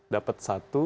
dapat satu satu